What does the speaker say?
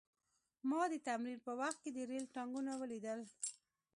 ما د تمرین په وخت کې د ریل ټانکونه ولیدل